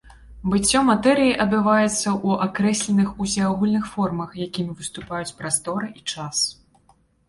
Быццё матэрыі адбываецца ў акрэсленых усеагульных формах, якімі выступаюць прастора і час.